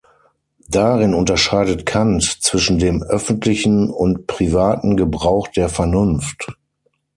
Darin unterscheidet Kant zwischen dem öffentlichen und privaten Gebrauch der Vernunft.